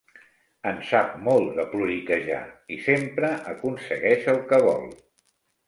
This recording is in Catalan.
En sap molt, de ploriquejar, i sempre aconsegueix el que vol.